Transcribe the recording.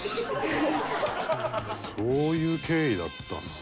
そういう経緯だったんだね。